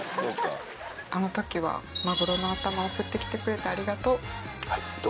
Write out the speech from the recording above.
あのときはマグロの頭送ってきてくれてありがとう。